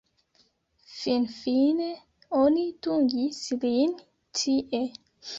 Finfine oni dungis lin tie.